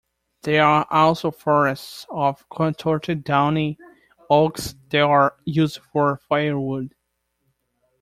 There are also forests of contorted downy oaks that are used for firewood.